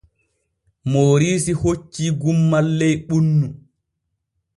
Mooriisi hoccii gummal ley ɓunnu.